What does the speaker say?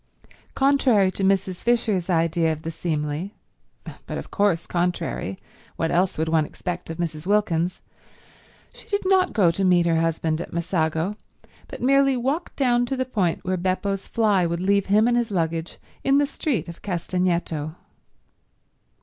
Contrary to Mrs. Fisher's idea of the seemly—but of course contrary; what else would one expect of Mrs. Wilkins?—she did not go to meet her husband at Messago, but merely walked down to the point where Beppo's fly would leave him and his luggage in the street of Castagneto.